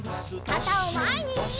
かたをまえに！